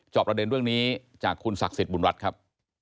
ประเด็นเรื่องนี้จากคุณศักดิ์สิทธิบุญรัฐครับ